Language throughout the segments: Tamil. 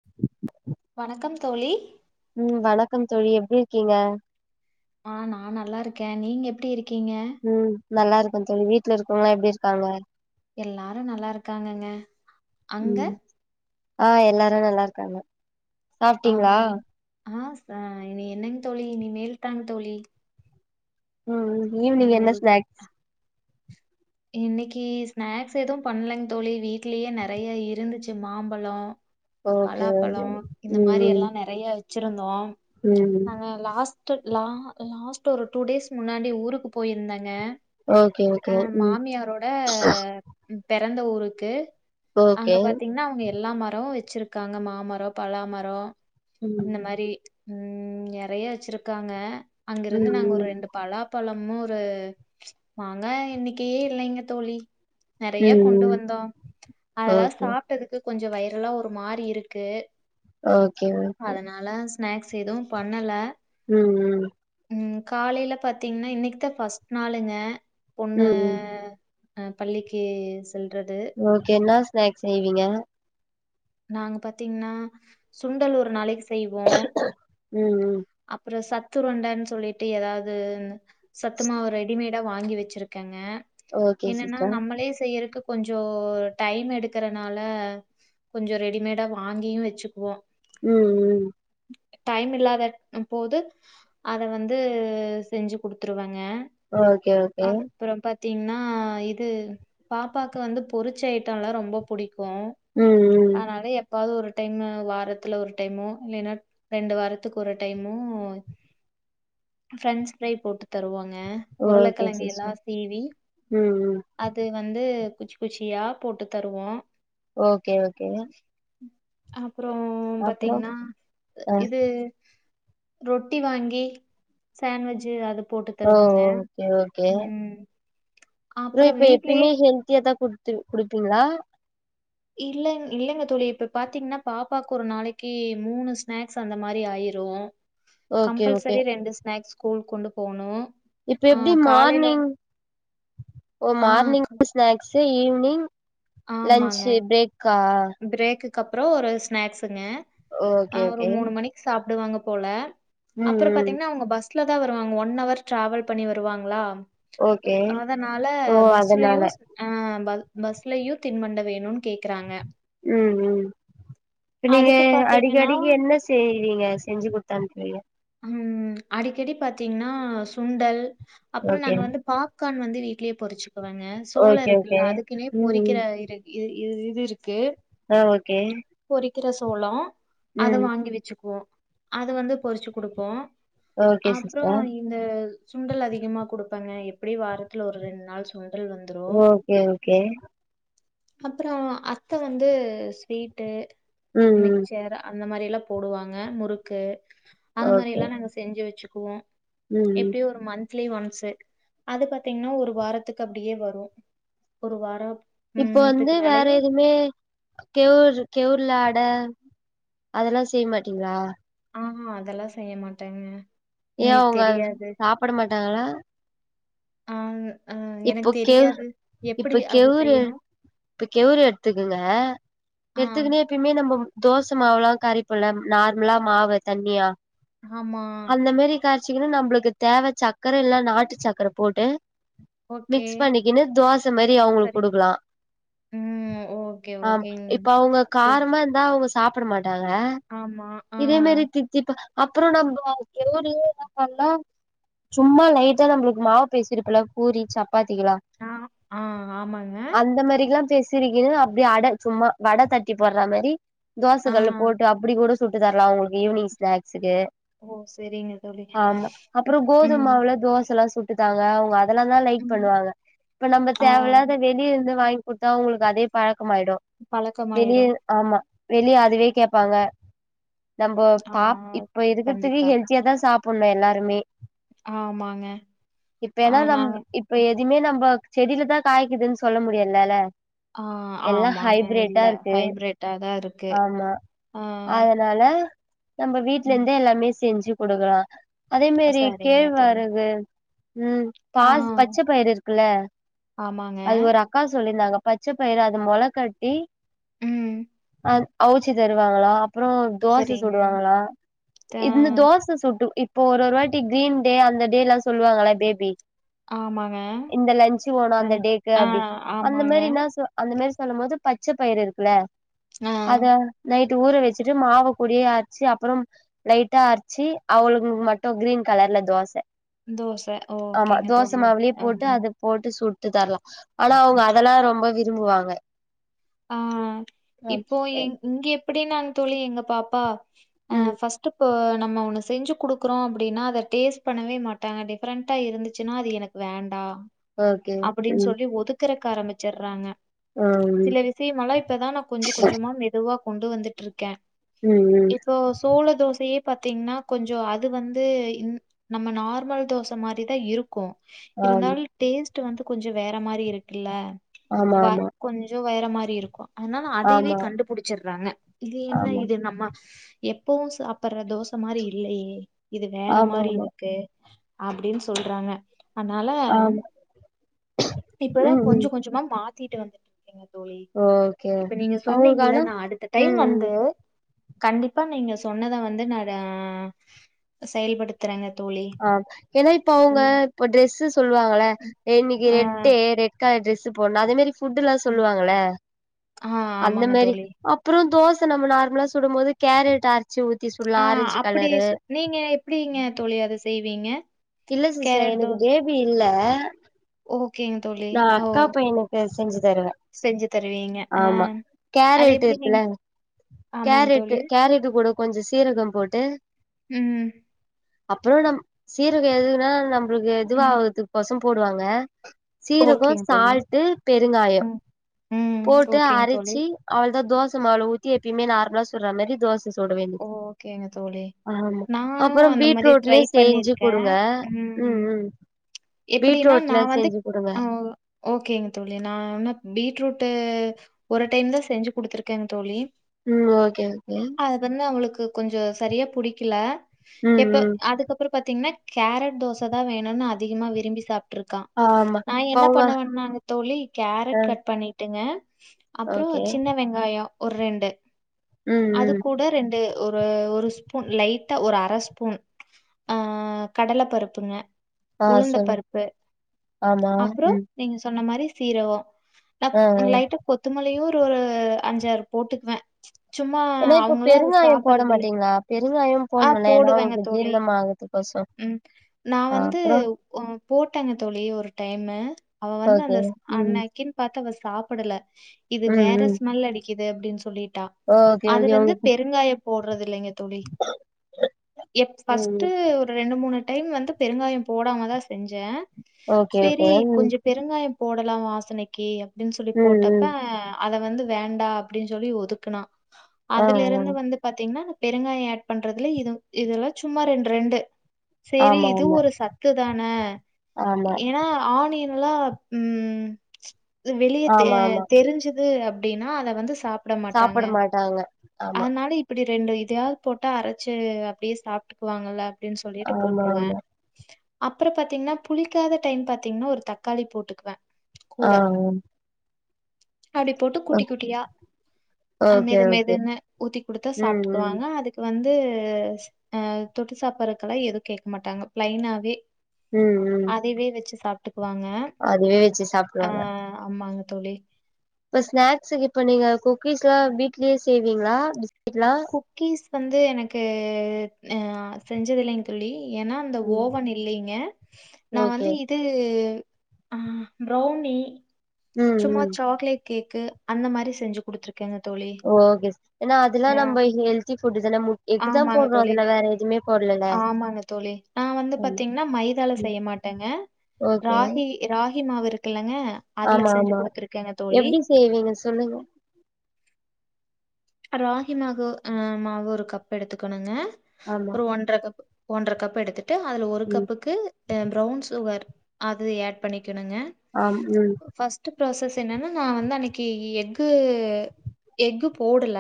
[unintelligible] வணக்கம் தோழி ம் வணக்கம் தோழி எப்டி இருக்கீங்க ஆ நா நல்லா இருக்க நீங்க எப்டி இருக்கீங்க ம் நல்லா இருக்க தோழி வீட்ல இருக்கவங்களா எப்டி இருக்காங்க எல்லாரு நல்லா இருக்காங்கங்க அங்க ம் ஆ எல்லாரு நல்லா இருக்காங்க சாப்ட்டீங்களா ஆமா ஆ என என்னங்க தோழி இனிமேல் தாங் தோழி ம்ம் ஈவ்னிங் என்ன இனிமேல் ஸ்நாக் இன்னிக்கு ஸ்நாக்ஸ் எதுவு பண்லங்க தோழி வீட்லயே நெறய இருந்துச்சு மாம்பழொ ஓகே பலாப்பழொ ஓகே இந்த ம் மாரியெல்லாம் நெறய வச்சிருந்தோ ம் நாங்க லாஸ்ட் லா லாஸ்ட் ஒரு டூ டேஸ் முன்னாடி ஊருக்கு போயிருந்தங்க ஓக்கே ஓக்கே அ ஓக் மாமியாரோட பெறந்த ஊருக்கு அங்க ஓகே பாத்தீங்னா அவுங்க எல்லா மரவு வச்சிருக்காங்க மாமரொ பலாமரொ ம் இந்த மாரி ம் நெறய வச்சிருக்காங்க ம் அங்கிருந்து நாங்க ம் ஒரு ரெண்டு பலாப்பழமு ஒரு மாங்காய் எண்ணிக்கையே இல்லைங்க தோழி நெறய ம் கொண்டு ம் வந்தோ அதெல்லா ஓகே சாப்ட்டதுக்கு கொஞ்சொ வயிரெலா ஒரு மாரி இருக்கு ஓக்கே ஓக்கே னால ஸ்நாக்ஸ் எதுவு பண்ணல ம்ம்ம் ம் காலைல பாத்தீங்னா இன்னைக்குதா ஃபஸ்ட் நாளுங்க பொண்ணு ம் ம் ஆ பள்ளிக்கு செல்றது ஓக்கே ன்னா ஸ்நாக்ஸ் செய்விங்க நாங்க பாத்தீங்னா சுண்டல் ஒரு நாளைக் செய்வோ ம்ம் அப்றொ சத்துருண்டனு சொல்லிட்டு எதாவது சத்துமாவு ரெடிமேட் வாங்கி வச்சிருக்கங்க ஓகே என்னனா சிஸ்டர் நம்மளே செய்யறக்கு கொஞ்சோ டைம் எடுக்கறனால கொஞ்ச ரெடிமேடா வாங்கியு வெச்சுக்குவோ ம் ம் டைம் இல்லாத போது அத வந்து செஞ்சு குடுத்துருவங்க ஓகே ஓகே அப்றோ பாத்தீங்கன்னா இது பாப்பாக்கு வந்து பொரிச்ச ஐட்டம்லா ரொம்ப புடிக்கு ம் ம் அதே எப்பாவது ஒரு டைமு வாரத்துல ஒரு டைமு இல்லன்னா ரெண்டு வாரத்துக்கு ஒரு டைமு பிரென்ச் ப்ரை போட்டு தருவாங்க ங்க ஓகே உருளக்கெழங்க எல்லா சிஸ்டர் சீவி ம் ம் அது வந்து குச்சி குச்சியா போட்டுத் தருவோ ஓகே ஓகே அப்றோ அப்புறோ பாத்தீங்கன்னா அ இது ரொட்டி வாங்கி சாண்ட்விஜ்ஜூ அது போட்டு ஓ தருவங்க ஓகே ஓகே ம் ப்ரோ அப்புறம் இப்ப வீட்லயே எப்பயுமே ஹெல்தியா தா குடுத்து குடுப்பிங்களா இல்ல இல்லங்க தோழி இப்ப பாத்திங்கன்னா பாப்பாக்கு ஒரு நாளாக்கி மூணு ஸ்நாக்ஸ் அந்த மாரி ஆயிரு ஓகே ஓகே கம்பல்சரி ரெண்டு ஸ்நாக்ஸ் ஸ்கூல் கொண்டு போணு இப்ப எப்டி மார்னிங் ஓ ஆ மார்னிங் க ஸ்நாக்சு ஈவினிங் ஆமாங்க. லன்ச்சு பிரேக்கா பிரேக்குக்கு அப்றோ ஒரு ஸ்நாக்சுங்க ஓகே ஒரு ஓகே மூணு மணி சாப்டுவாங்க போல ம் அப்றோ ம் பாத்தீங்கன்ன அவங்க பஸ் ல தா வருவாங்க ஒன் அவர் டிராவல் பண்ணி வருவாங்களா ஓகே அதனால ஓ அதனால பஸ்சுலயு ஆ பஸ்லயு தின்பண்டம் வேணுனு கேக்குறங்க ம் ம் இப்ப நீங்க அதுக்கு அடிக்க பாத்தீங்கன்னா அடிக்கு என்ன செய்வீங்க செஞ்சு குடுத்து அனுப்புவீங்க ம் அடிக்கடி பாத்தீங்கன்னா சுண்டல் அப்றோ ஓகே நாங்க வந்து பா பாப்க்கான் வந்து வீட்லயே பொரிச்சுக்குவாங்க சோளோ ஓகே இருக்குல்ல ஓகே அதுக்குனே ம் ம் பொறிக்கிற இருக் இது இது இது இருக்கு ஆ ஓகே பொறிக்கிற சோலோ அத ம் வாங்கி வெச்சுக்குவோ அது வந்து பொறிச்சு குடுப்போ ஓகே அப்றோ சிஸ்டர் இந்த சுண்டல் அதிகமா குடுப்பங்க எப்டி வாரத்தில ஒரு ரெண்டு நாள் சுண்டல் வந்து ஓகே ஓகே அப்றோ அத்த வந்து ஸ்வீட்டு ம் ம் மிச்சர் அந்த மாரி எல்லா போடுவாங்க முறுக்கு அந்த மாரி ஓகே எல்லா நாங்க செஞ்சு வெச்சுக்குவோ ம் எப்டியு ஒரு மந்த்லி ஒன்சு அது பாத்தீங்கன்னா ஒரு வாரத்துக்கு அப்டியே வரு ஒரு வாரோ இப்போ ம் வந்து த்துக்கு வேற மேலயு எதுமே கெவுர் கெவுர்ல அட அதெல்லா செய்ய மாட்டீங்களா ஆஹா அதெல்லா செய்ய மாட்டேங்க ஏ எங்களுக்கு உங்க தெரியாது சாப்ட்ட மாட்டாங்களா ஆ ஆ எனக்கு இப்ப கேவ் தெரியாது எப்டி இப்ப அது கேவுரு செய்யணு இப்ப கேவுர எடுத்துக்கங்க ஆ எடுத்துக்குனே எப்பயுமே நம்ம தோச மாவுல்லா கரைப்போல்ல நார்மலா மாவு தண்ணியா ஆமா அந்த மாரி காரச்சிக்குனு நம்மளுக்கு தேவ சக்கர இல்ல நாட்டு சக்கர போட்டு ஓகே மிக்ஸ் பண்ணிக்கினு தோச மாரி அவுங்களுக் சரி குடுக்கலா ம் ஓகே ஆமா ஓகேங் இப்ப அவுங்க சரி காரமா இருந்தா அவுங்க சாப்ட மாட்டாங்க ஆமா ஆ இதே மாரி தித் தீப்பா அப்புறோ நம்போ எல்லா [unintelligible] தா பண்லா சும்மா லைட்டா நம்மளுக்கு மாவு பேசிறிப்பல பூரி சப்பாத்திக்ளா ஆ ஆ ஆமாங்க அந்த மாதில்லா பேசி சிரிக்கனு அப்டியே அட சும்மா வட தட்டி போட்றா மாரி தோச ஆ கல்ல போட்டு அப் இப்புடி கூடோ சுட்டு தர்லா அவுங்களுக்கு ஈவ்னிங் ஸ்நாக்ஸ்சுக்கு ஓ சரிங்க தோழி ஆமா அப்றோ ம் கோதும்மாவுல தோசல்லா சுட்டு தாங்க அவுங்க அதெல்லா தா லைக் ம் பண்ணுவாங்க இப்ப நம்ம ஆ தேவல்லாத வெளிய இருந்து வாங்கி குடுத்தா அவுங்களுக்கு அதே பழக்கமயிடு வெளிய பழக்கமாயிரு ஆமா வெளியே அதுவே கேப்பாங்க நம்போ ஆ பா இப்ப இருக்கறதுக்கு கண்டிப்பா ஹெல்த்தியா தா சாப்புட்ணு எல்லாருமே ஆமாங்க இப்ப ஏன்னா ஆனா நம் இப்ப எதிமே நம்போ செடிலதா காய்க்கிதுன்னு சொல்ல முடிலல்ல ஆ எல்லா ஆமாங்க. ஹைபிரிட்டா இல்ல. இருக்கு ஹைபிரிட்டா தான் இருக்கு. ஆமா ஆ, அதனால நம்ம வீட்ல ம். இருந்தே எல்லாமே செஞ்சி குடுக்கலா அதே மாரி சரிங்க தோழி. கேழ்வாரகு ம் பா ஆ, பச்ச பயிறு இருக்குல்ல ஆமாங்க. அது ஒரு அக்கா சொல்லிருந்தாங்க பச்ச பயிற அத மொள கட்டி ம் அ அவுச்சி தருவாங்ளா அப்றோ தோச சரிங்க. சுடுவாங்களா ஆ, இந்த தோச சுட்டு இப் இப்போ ஒரு ஒரு வாட்டி கிரீன் டே அந்த டேல்லா சொல்லுவாங்ளா பேபி ஆமாங்க இந்த லன்சு வோனு ஆ, அந்த டேக்கு ஆ, அப்டி அந்த ஆமாங்க. மேரினா சொ அந்த மேரி சொல்லும் போது பச்ச பயிறு இருக்குல்ல ஆ, அத நைட் ட்டு ஊற வெச்சுட்டு மாவு பொடியா அரச்சு அப்றம் லைட்டா அரச்சி அவுளுகளுக்கு மட்டு கிரீன் கலர்ல தோச தோச ஓ ஆமா ஓகேங்க தோச தோழி மாவுலயே அம் போட்டு அது போட்டு சுட்டு தர்லா ஆனா அவுங்க அதெல்லா ரொம்ப விரும்புவாங்க ஆ இப்போ எங் ம் இங்க எப்புடின்னா தோழி எங்க பாப்பா அ ம் ஃபஸ் ட்டு இப்பொ நம்ம ஒன்னு செஞ்சு குடுக்குறோ அப்புடின்னா அத டேஸ்ட் பண்ணவே மாட்டாங்க டிஃப்ரெண்டா இருந்துச்சுன்னா அது எனக் வேண்டா ஓகே அப்புடின் ம் சொல்லி ஒதுக்குறக் ஆரம்பிச்சுறாங்க ஆ ம் சில விஷயமல்லா இப்பதா நா கொஞ்சம் கொஞ்சமா மெதுவா கொண்டு வந்துட்டிருக்க ம் ம் இப்போ சோள தோசயே பாத்தீங்னா கொஞ்சோ அது வந்து இந் நம்ம நார்மல் தோச மாரிதா இருக் கு இருந்தாலு டேஸ்ட் வந்து கொஞ்சோ வேற மாரி இருக்குல்ல ஆமா வ ஆமா கொஞ்ச சோ வேற மாரி இருக்கு அதனால அதயவே ஆமா கண்டுபுடிச்சிட்றாங்க இது என்ன ஆமா இது நம்ம எப்பவு சாப்புட்ற தோச மாரி இல்லையே இது வேற ஆமா மாரி ஆமா ஆமா இருக் கு அப்டின்னு சொல்றாங்க அனலா ஆமா இப்பதா ம் ம் கொஞ்சம் கொஞ்சமா மாத்திட்டு வந்து ங்க தோழி ஓகே இப்ப நீங்க அவங்களுக்கு சொன்னீங்கல்ல ஆனா நா அடுத்த டைம் ம் ம் வந்து கண்டிப்பா நீங்க சொன்னத வந்து நானு செயல்படுத் பத்தரங்க தோழி ஆ ஏன்னா இப்ப அவுங்க ம். இப்ப ட்ரெஸு சொல்லுவாங்கல ம். இன்னக்கி ஆ. ரெட்டு ரெட் ட் கலர் டிரஸு போடுணு அதே மேரி ஃபுட்டெல்லா ம். சொல்லுவாங்கல ஆ அந்த ஆமாங்க மேரி தோழி. அப் றோ தோச நம்ம நார்மலா சுடு போது கேரட் அரச்சு ஊத்தி சுடலா ஆ ஆரஞ்சு அப்படி கலரு சு நீங்க எப்டிங்க தோழி அத செய்வீங்க இல்ல சிஸ்டர் கேரட் எனக்கு தோஸ் பேபி இல்ல ஓகேங்க தோழி. நா ஓ! ம். அக்காப்பையனுக்கு செஞ்சு தருவ செஞ்சு தருவீங்க. ஆ ஆமா அது கேரட்டு எப்படி நீங்க இருக்குல்ல ஆமாங்க தோழி. கேரட்டு் கேரட்டு் கூட கொஞ்ச சீரகம் போட்டு ம் அப்றோ நம் சீரக எதுன்னா நம்மளுக்கு ம். இதுவாதுக்கு கொச போடுவாங்க சீரக ஓகேங்க தோழி. சால்ட்டு பெருங்காயு ம். ம். போட்டு ஓகேங்க தோழி. அரச்சி அவ்ளோதா தோச மாவுல ஊத்தி எப்பயுமே நார்மலா சுட்ற மேரி தோச சுட வேண்டியது ஓகேங்க தோழி. ஆமா நானும் அப்றோ அந்த பீட் மாரி ட்லே ட்ரை செஞ்சு பண்ணியிருக்கேன். குடுங்க ம் ம் எப்படின்னா, பீட்ரூட்ல நான் வந்து செஞ்சு குடுங்க ஆ ஓகேங்க தோழி நா என்ன பீட்ரூட்டு் ஒரு டைம் தா செஞ்சு குடுத்துருக்க தோழி ம் ஓகேங்க தோழி அது வந்து அவுங்களுக்கு கொஞ்ச செரியா புடிக்கல ம் எப்ப ம் அதுக் ப்பறோ பாத்தீங்ன்னா கேரட் தோச தா வேணுன்னு அதிகமா விரும்பி சாப் ட்ருக்கா ஆமா நா இப்ப என்ன அவுங்க பண்ணுவன்னாங்க தோழி ஆ கேரட் கட் பண்ணிட்டுங்க அப்றோ ஓகே சின்ன வெங்காயோ ஒரு ரெண்டு ம் அது ம் கூட ரெண்டு ஒரு ஒரு ஸ்பூன் லைட்டா ஒரு அர ஸ்பூன் ஆ‌ கடல பருப்புங்க ஆ உளுந்த சொல்லு பருப்பு ஆமா அப்றோ ம் நீங்க சொன்ன மாரி சீரகோ ந ஆ ஆ லைட்டா கொத்துமல்லியு ஒரு ஒரு அஞ்சாறு போட்டுக்குவே சும்மா ஏன்னா இப்ப அவங்களா அது பெருங்காயோ போட சாப்பறது இல்ல மாட்டீங்களா பெருங்காயோ ஆ போட்ணுல ஏன்னா போடுக்குவாங்க உங்களுக்கு தோழி ஜீர்ணம் ஆகறதுக்கோசோ ம் நா ஆ வந்து அப்புறோ ம் போட்டேங்க தோழி ஒரு டைமு அவ வந்து ஓகே அந்த ஸ் ம் அன்னக்கின் பாத்து அவ சாப்பிடல இது ம் வேற ம் ஸ்மெல் அடிக்குது அப்டின்னு சொல்லிட்டா ஓகே ஓகே அதுல இருந்து உங்களுக்கு பெருங்காய போடுறது இல்லைங்க தோழி எஸ் ம் ஃபஸ்ட்டு ம் ஒரு ரெண்டு மூணு டைம் வந்து பெருங்காயம் போடாம தா செஞ்சே ஓகே செரி ஓகே ம் கொஞ்ச பெருங்காய போடலா வாசனைக்கு அப்டின்னு சொல்லி ம் போட்டப்ப ம் அத வந்து வேண்டா அப்டினு சொல்லி ஒதுக்குனா ஆ அதுல இருந்து வந்து பாத்தீங்ன்னா பெருங்காய ஆட் பண்றதுல இது இதெல்லா சும்மா ரெண்டு ரெண்டு ஆ செரி ஆமா இது ஆமா ஒரு சத்து தான ஆமா ஏன்னா ஆனியன் எல்லா ம் வெளியே தெ ஆமா ஆமா தெரிஞ்சுது அப்டின்னா அத வந்து சாப் பட மாட்டாங்க சாப்புட மாட்டாங்க ஆமா அதனால இப் டி ரெண்டு இதையாவது போட்டா அரைச்சு அப்டியே சாப்பிட்டுக்குவாங்கல அப்டின்னு சொல்லிட்டு ஆமா போட்டுருவே ஆமா அப்றோ பாத்தீங்ன்னா புளிக்காத டைம் பாத்தீங்ன்னா ஒரு தக்காளி போட்டுக்வே ஆ ம் அப்டி போட்டு குட்டி குட்டியா அ ஓகே மெது ஓகே மெதுன்னு ஊத்தி குடுத்தா ம் ம் சாப்பிட்டுக்குவாங்க அதுக் கு வந்து அ தொட்டு சாப்பறத்துக்கெல்லா எதுவு கேட்க மாட்டாங்க ப்ளைனாவே ம் ம் இதுவே வச்சு சாப்ட்டுக்குவாங்க அதுவே வச்சு ஆ சாப்ட்ருவாங்க ஆமாங்க தோழி இப்ப ஸ்நாக்சுக்கு இப்ப நீங்க குக்கீஸ் எல்லாம் வீட்லயே செய்வீங்களா பிஸ்கெட் எல்லாம் குக்கீஸ் வந்து எனக்கு ஆ செஞ்சதில்லைங் தொழி ஏன்னா அந்த ம் ஓவன் இல்லலைங்க நான் ஓகே வந்து து ஆ ப்ரௌனி ம் சும்மா ம் சாக்லேட் கேக்கு அந்த மாரி செஞ்சு குடுத்துருக்கேங்க தோழி ஓகே ஏன்னா அதெல்லாம் ஆ நம்ம ஹெல்தி ஃபுட்டு தானா மு எக்கு தா ஆமாங்க போடுறோ தோழி அதுல வேற எதுவுமே போடலல ஆமாங்க தோழி நா வந்து ஆமா பாத்தீங்கன்னா மைதால ம் செய்ய மாட் டங்க ஓகே ராகி மாவு இருக்குலங்க அதுல ஆமா செஞ்சு ஆமா குடுத்துருக்கங்க தோழி எப்டி செய்வீங்க சொல்லுங்க ராகி மாவு அ மாவு ஒரு கப் எடுத்துக்கணுங்க ஆமா ஒன்றர கப் ஒன்றர கப்பு எடுத்துட்டு அதுல ஒரு ம் கப்புக்கு ப்ரௌன் சுகர் அது அட் பண்ணிக்கணுங்க ஆம் ம் ட்டு ப்ராசஸ் என்னன்னா நா வந்து அன்னைக்கு எஃகு எஃகு போடல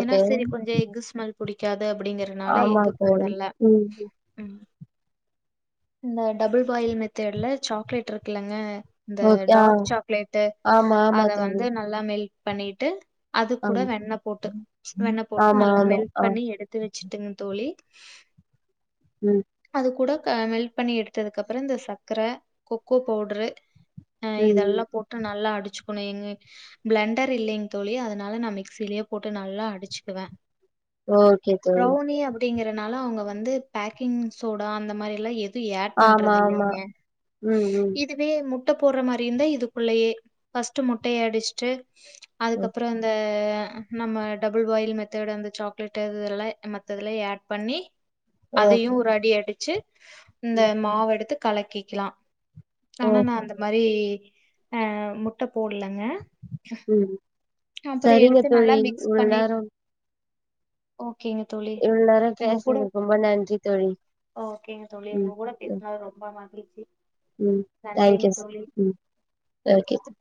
ஏன்னா சரி கொஞ்சோ எஃக்கு ஸ்மெல் புடிக்காது அப்படிங்கறனால ஆமா எக்கு தோழி போடல ம் ம் இந்த டபுள் பாயில் மெத்தேட்ல சாக்லேட் இருக்குல்லங்க இந்த ஓகே ஆ டார்க் சாக்லேட்டு ஆமா ஆமா அத தோழி வந்து நல்லா மெல்ட் பண்ணிட்டு அது கூட ஆமா வெண்ணெ போட்டு வெண்ணெ போட்டு ஆமா நல்லா ஆமா மெல்ட் ஆ பண்ணி எடுத் து வச்சுட்டுங்க தோழி ம் அது கூட க மெல்ட் பண்ணி எடுத்ததுக்கப்புறம் இந்த சக்கர கொக்கோ பவுடுறு அ ம் இதெல்லாம் போட்டு நல்லா அடிச்சுக்கணும் எங்க பிளண்டர் இல்லைங் தோழி அத நாள நா மிக்சிலே போட்டு நல்லா அடிச்சுக்குவேன் ஓகே தோழி ப்ரௌனி டிங்கறனால அங்க வந்து பேக்கிங் சோடா அந்த மாரில்லாம் எ தி ஆட் ஆமா பண்றது ஆமா இல்லைங்க ம் ம் இது வே முட்ட போடுற மாரிருந்தா இதுக்குள்ளயே ஃபஸ்டு முட்டைய அடிஸ்ட்டு ம் அதுக்கப் அந்த நம்ம டபுள் பாயில் மெத்தடு அந்த சாக்லேட் மத்ததுலே ஆட் பண்ணி அதையு ஓகே ஒரு அடி அடிச்சு இந்த ம் மாவு எடுத்து கலக்கிக்கலா ஆனா நா ஓகே அந்த மாரி அ முட்ட போட்லங்க ம் சரிங்க தோழி மிக்ஸ் பண்ணி வ்வேற ஓகேங்க தோழி இவ்ளோ நேரம் உங்க கூட பேசுனதுக்கு ரொம்ப நன்றி தோழி ஓகேங்க தோழி ம் உங்க கூட பே நா ரொம்ப மகிழ்ச்சி ம் நன்றிங்க தேங்க்யூ தோழி ம் ஓகே தோ